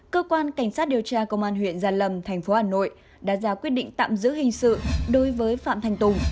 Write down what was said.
cơ quan cảnh sát điều tra công an huyện gia lâm thành phố hà nội đã ra quyết định tạm giữ hình sự đối với phạm thanh tùng